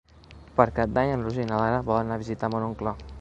Per Cap d'Any en Roger i na Lara volen anar a visitar mon oncle.